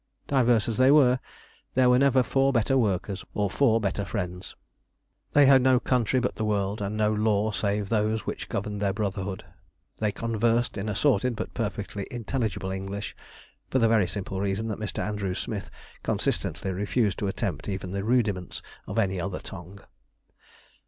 Diverse as they were, there never were four better workers, or four better friends. They had no country but the world, and no law save those which governed their Brotherhood. They conversed in assorted but perfectly intelligible English, for the very simple reason that Mr. Andrew Smith consistently refused to attempt even the rudiments of any other tongue.